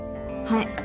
はい。